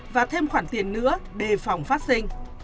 và thêm khoản tiền nữa đề phòng phát sinh